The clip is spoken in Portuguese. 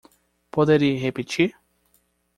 Poderia repetir?